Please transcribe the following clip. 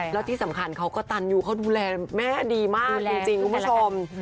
แล้วที่สำคัญเขากระตันยูเขาดูแลแม่ดีมากจริงคุณผู้ชม